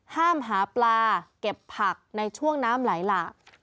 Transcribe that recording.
ห้ามหาปลาเก็บผักในช่วงน้ำไหลหลาก